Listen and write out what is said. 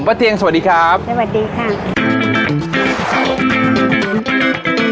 เตียงสวัสดีครับสวัสดีค่ะ